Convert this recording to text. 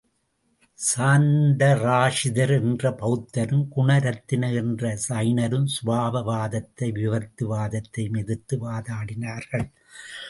சாந்தராக்ஷிதர் என்ற பெளத்தரும், குணரத்ன என்ற ஜைனரும் சுபாவ வாதத்தையும், விபத்து வாதத்தையும் எதிர்த்து வாதாடினர்கள்.